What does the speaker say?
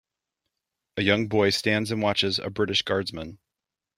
A young boy stands and watches a British guardsman.